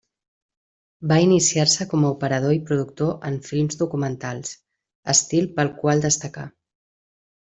Va iniciar-se com a operador i productor en films documentals, estil pel qual destacà.